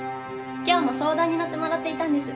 今日も相談に乗ってもらっていたんです。